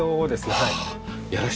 はい。